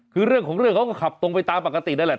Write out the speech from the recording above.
คือเรื่องของเรื่องเขาก็ขับตรงไปตามปกตินั่นแหละ